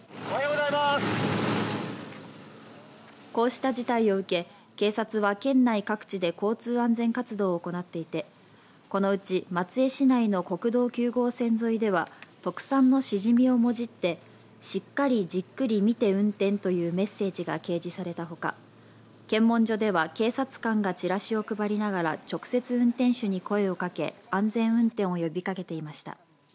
こうした事態を受け警察は県内各地で交通安全活動を行っていてこのうち松江市内の国道９号線沿いでは特産のシジミをもじってしっかりじっくりみて運転というメッセージが掲示されたほか検問所では警察官がチラシを配りながら直接運転手に声をかけ安全運転を呼びかけていました。